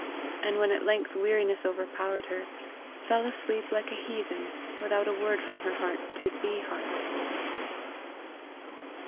And when at length weariness overpowered her, fell asleep like a heathen, without a word from her heart to the heart.